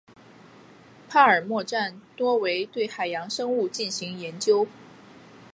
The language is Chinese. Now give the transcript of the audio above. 帕尔默站多为对海洋生物进行研究。